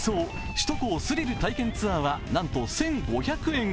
首都高スリル体験ツアーはなんと１５００円。